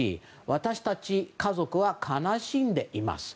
私たち家族は悲しんでいます。